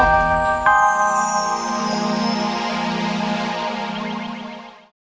sampai jumpa di video selanjutnya